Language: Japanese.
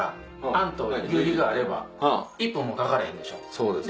そうですね。